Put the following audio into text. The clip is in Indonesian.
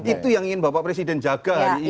itu yang ingin bapak presiden jaga hari ini